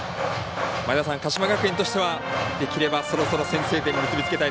鹿島学園としてはできれば、そろそろ先制点に結び付けたい。